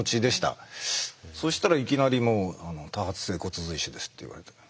そしたらいきなりもう「多発性骨髄腫です」って言われて。